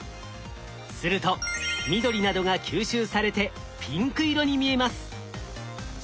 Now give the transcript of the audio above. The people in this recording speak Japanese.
すると緑などが吸収されてピンク色に見えます。